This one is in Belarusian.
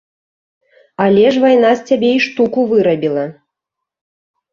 Але ж вайна з цябе і штуку вырабіла!